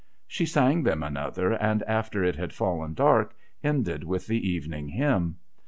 She sang them another, and after it had fallen dark ended with the Evening Hymn.